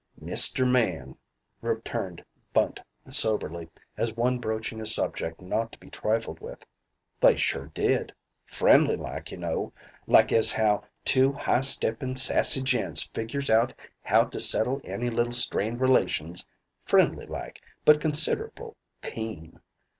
"Mister Man," returned Bunt soberly, as one broaching a subject not to be trifled with, "They sure did. Friendly like, y'know like as how two high steppin', sassy gents figures out to settle any little strained relations friendly like but considerable keen."